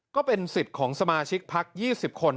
ก็เป็นสิทธิ์ของสมาชิกพัก๒๐คน